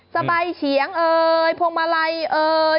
สบายเฉียงเอ่ยพวงมาลัยเอ่ย